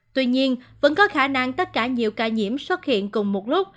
tuy nhiên vẫn có khả năng tất cả nhiều ca nhiễm xuất hiện cùng một lúc